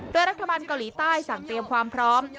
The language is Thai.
โดยรัฐบาลเกาหลีใต้สั่งเตรียมความพร้อม